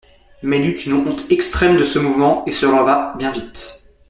Mais il eut une honte extrême de ce mouvement et se releva bien vite.